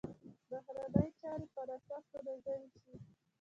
بهرنۍ چارې پر اساس منظمې شي.